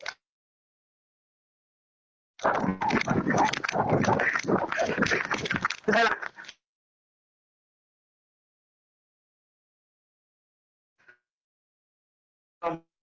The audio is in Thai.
เฮ้ยแหละ